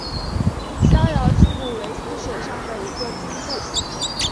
逍遥津古为淝水上的一个津渡。